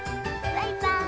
バイバイ。